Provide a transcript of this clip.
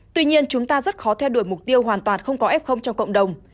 tuy nhiên chúng ta rất khó theo đuổi mục tiêu hoàn toàn không có f trong cộng đồng